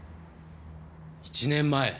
１年前。